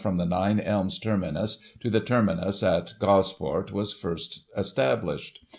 [1846 from the Nine Elms terminus to the terminus at Gosport was first established.